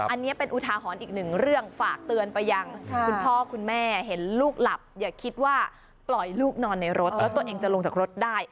อันนี้เป็นอุทาหรณ์อีกหนึ่งเรื่องฝากเตือนไปยังคุณพ่อคุณแม่เห็นลูกหลับอย่าคิดว่าปล่อยลูกนอนในรถแล้วตัวเองจะลงจากรถได้